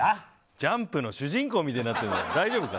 「ジャンプ」の主人公みたいになってるぞ。